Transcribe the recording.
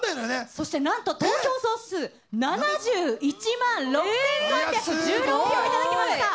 そしてなんと投票総数７１万６３１６票頂きました。